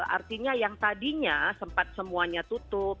artinya yang tadinya sempat semuanya tutup